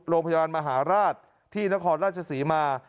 โรงพยาบาลมหาราชที่นครราชศรีมา